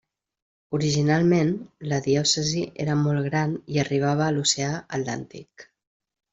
Originalment, la diòcesi era molt gran i arribava a l'oceà Atlàntic.